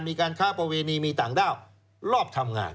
มีการค้าประเวณีมีต่างด้าวรอบทำงาน